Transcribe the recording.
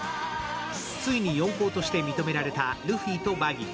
ついに四皇として認められたルフィとバギー。